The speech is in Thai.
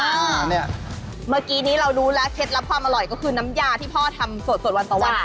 เมื่อกี้นี้เรารู้แล้วเคล็ดลับความอร่อยก็คือน้ำยาที่พ่อทำสดวันต่อวัน